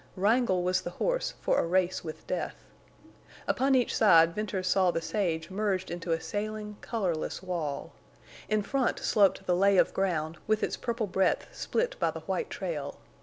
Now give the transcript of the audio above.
Wrangle was the horse for a race with death. Upon each side Venters saw the sage merged into a sailing, colorless wall. In front sloped the lay of ground with its purple breadth split by the white trail.